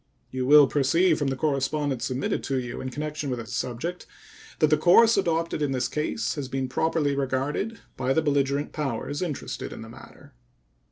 You will perceive from the correspondence submitted to you in connection with this subject that the course adopted in this case has been properly regarded by the belligerent powers interested in the matter.